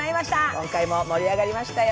今回も盛り上がりましたよ。